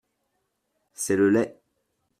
C’est le lait !…